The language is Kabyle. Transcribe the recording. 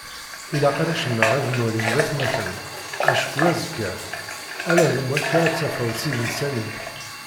Ilaq arrac-nneɣ ad mwalin d atmaten, acku azekka ala gma-k ara tafeḍ s idisan-ik